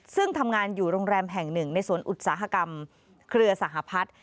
ซึ่งทำงานอยู่โรงแรมแห่งหนึ่งในสวนอุตสาหกรรมเครือสหพัฒน์